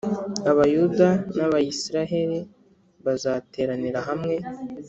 Abayuda n’Abayisraheli bazateranira hamwe,